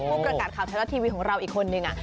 ภูมิกระกาศข่าวเทลาทีวีของเราอีกคนนึง